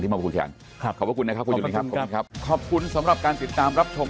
ถูกต้องครับ